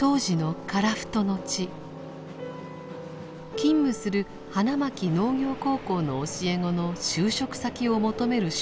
勤務する花巻農業高校の教え子の就職先を求める出張とされました。